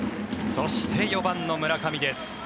そして４番の村上です。